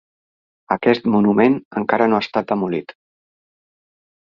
Aquest monument encara no ha estat demolit.